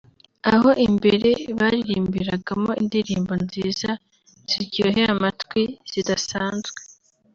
aho imbere baririmbiragamo indirimbo nziza ziryoheye amatwi zidasanzwe